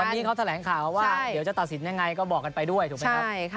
วันนี้เขาแถลงข่าวว่าเดี๋ยวจะตัดสินยังไงก็บอกกันไปด้วยถูกไหมครับ